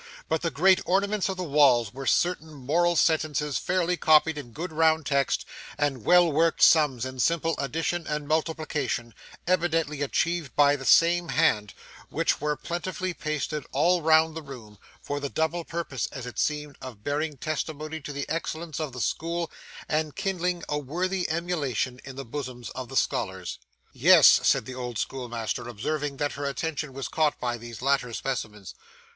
But, the great ornaments of the walls were certain moral sentences fairly copied in good round text, and well worked sums in simple addition and multiplication, evidently achieved by the same hand, which were plentifully pasted all round the room: for the double purpose, as it seemed, of bearing testimony to the excellence of the school, and kindling a worthy emulation in the bosoms of the scholars. 'Yes,' said the old schoolmaster, observing that her attention was caught by these latter specimens.